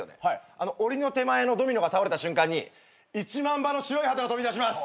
あのおりの手前のドミノが倒れた瞬間に１万羽の白いハトが飛び出します。